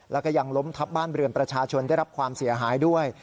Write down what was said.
แล้วก็ยังล้มทับบ้านเรือนประชาชนได้รับความเสียหายด้วย